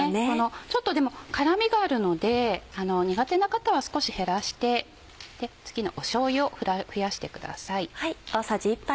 ちょっとでも辛みがあるので苦手な方は少し減らして次のしょうゆを増やしてください。